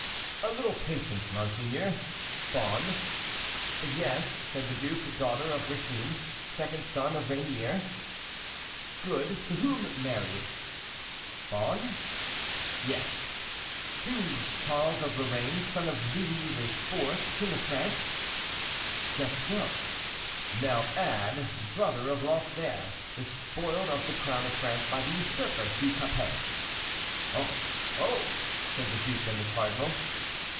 "A little patience, monseigneur. Bonne " "Yes," said the duke, "daughter of Ricin, second son of Ranier." "Good; to whom married?" "Bonne?" "Yes." "To Charles of Lorraine, son of Louis IV., King of France." "Just so. Now add, 'brother of Lothaire, despoiled of the crown of France by the usurper, Hugh Capet.'" "Oh! oh!" said the duke and the cardinal.